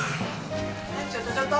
ちょっとちょっと！